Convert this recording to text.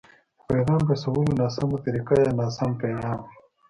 د پيغام رسولو ناسمه طريقه يا ناسم پيغام وي.